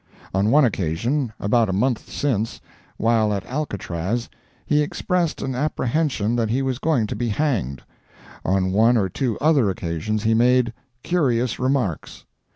On one occasion, about a month since, while at Alcatraz, he expressed an apprehension that he was going to be hanged. On one or two other occasions he made "curious remarks."